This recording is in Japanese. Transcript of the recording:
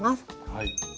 はい。